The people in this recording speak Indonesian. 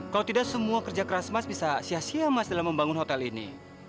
kalau tidak semua kerja keras mas bisa sia sia mas dalam membangun hotel ini